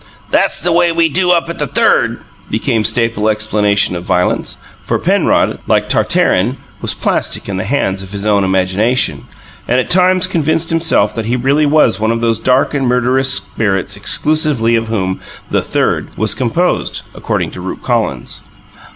"That's the way we do up at the Third," became staple explanation of violence, for Penrod, like Tartarin, was plastic in the hands of his own imagination, and at times convinced himself that he really was one of those dark and murderous spirits exclusively of whom "the Third" was composed according to Rupe Collins.